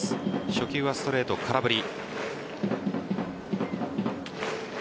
初球はストレート空振り。